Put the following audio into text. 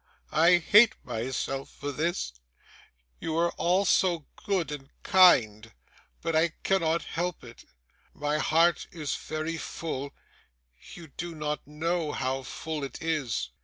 I hate myself for this; you are all so good and kind. But I cannot help it. My heart is very full; you do not know how full it is.